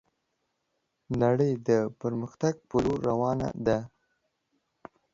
نړي د پرمختګ په لور روانه ده